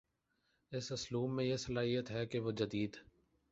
اس اسلوب میں یہ صلاحیت ہے کہ وہ جدید